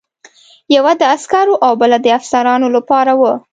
یوه د عسکرو او بله د افسرانو لپاره وه.